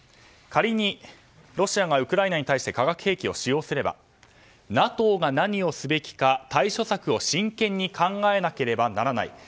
仮にロシアがウクライナに対して化学兵器を使用すればＮＡＴＯが何をすべきか対処策を真剣に考えなければならない。